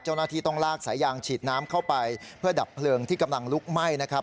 เจ้าหน้าที่ต้องลากสายยางฉีดน้ำเข้าไปเพื่อดับเพลิงที่กำลังลุกไหม้นะครับ